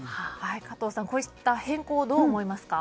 加藤さん、こういった変更どう思いますか？